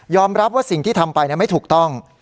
รับว่าสิ่งที่ทำไปไม่ถูกต้อง